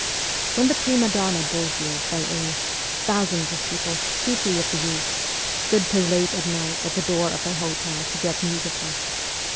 When the prima donna Bosio fell ill, thousands of people, chiefly of the youth, stood till late at night at the door of her hotel to get news of her.